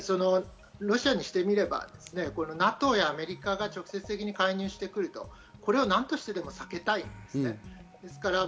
ロシアにしてみればＮＡＴＯやアメリカが直接的に介入してくると、これを何としても避けたいんですね。